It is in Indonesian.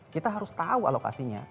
kita harus tahu alokasinya